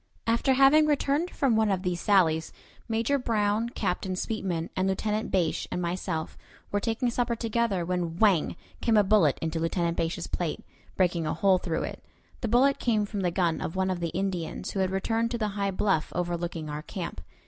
After having returned from one of these sallies, Major Brown, Captain Sweetman, Lieutenant Bache, and myself were taking supper together, when "whang!" came a bullet into Lieutenant Bache's plate, breaking a hole through it. The bullet came from the gun of one of the Indians, who had returned to the high bluff overlooking our camp.